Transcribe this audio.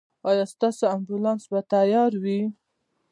ایا ستاسو امبولانس به تیار وي؟